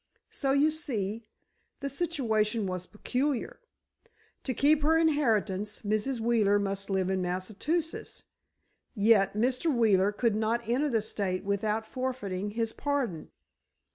So you see, the situation was peculiar. To keep her inheritance, Mrs. Wheeler must live in Massachusetts. Yet Mr. Wheeler could not enter the state without forfeiting his pardon."